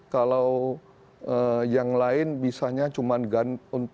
kalau yang lain bisanya cuman untuk tiket island